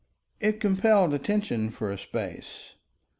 It compelled attention for a space.